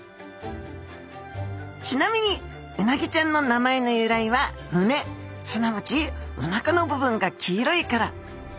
ちなみにうなぎちゃんの名前の由来は胸すなわちおなかの部分が黄色いから。